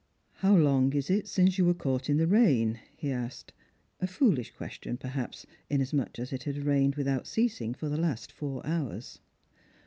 " How long is it since you were caught in the rain ?" he asked — a foolish question, perhaps, inasmuch as it had rained without ceasing for the last four hours.